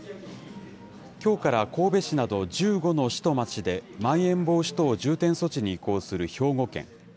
きょうから神戸市など１５の市と町で、まん延防止等重点措置に移行する兵庫県。